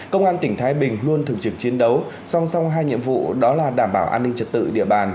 công an tỉnh thái bình luôn thường trực chiến đấu song song hai nhiệm vụ đó là đảm bảo an ninh trật tự địa bàn